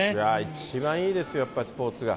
一番いいですよ、やっぱスポーツが。